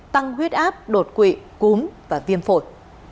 tăng huyết áp đột quỵ cúm và viêm phổi